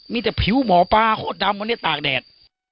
มีแต่ผิวหมอปลาโคตรดำวันนี้ตากแดด